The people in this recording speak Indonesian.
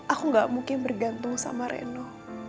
aku gak mungkin bergantung sama reno